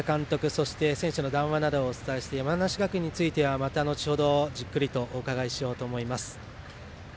そして、選手の談話などをお伝えして山梨学院についてはまた後ほどじっくりとお伺いしようと思います。